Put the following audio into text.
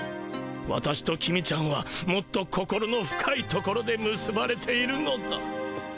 私と公ちゃんはもっと心の深いところでむすばれているのだ。